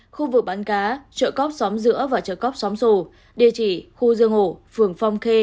hai khu vực bán cá trợ cóc xóm giữa và trợ cóc xóm sổ địa chỉ khu dương hổ phường phong khê